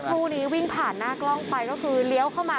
คู่นี้วิ่งผ่านหน้ากล้องไปก็คือเลี้ยวเข้ามา